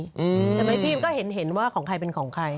ใช่ไหมพี่ก็เห็นว่าของใครเป็นของใคร